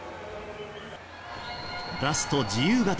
ラスト自由形。